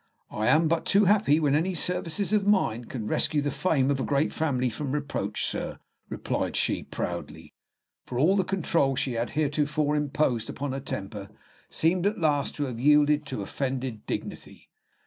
"I am but too happy when any services of mine can rescue the fame of a great family from reproach, sir," replied she, proudly; for all the control she had heretofore imposed upon her temper seemed at last to have yielded to offended dignity.